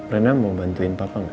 renah mau bantuin papa gak